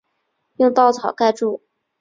用稻草盖著